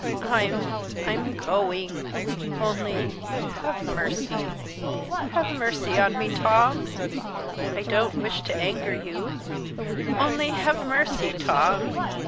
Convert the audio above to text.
"I'm I'm going! Only have mercy have mercy on me, Tom! I don't wish to anger you, only have mercy, Tom!"